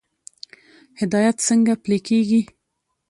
هدایت څنګه پلی کیږي؟